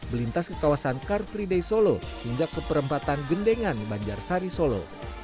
melintas ke kawasan karfriday solo hingga ke perempatan gendengan banjarsari solo